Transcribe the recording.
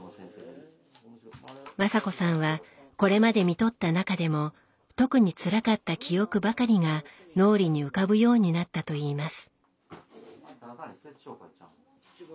雅子さんはこれまでみとった中でも特につらかった記憶ばかりが脳裏に浮かぶようになったといいます。